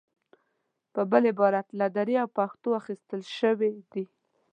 په بل عبارت له دري او پښتو اخیستل شوې دي.